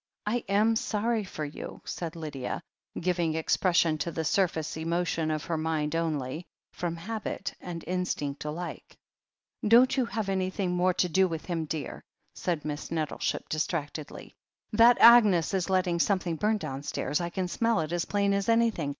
I am sorry for you," said Lydia, giving expression to the surface emotion of her mind only, from habit and instinct alike. "Don't you have anything more to do with him, dear," said Miss Nettleship distractedly. "That Agnes is letting something burn downstairs. I can smell it as plain as anything.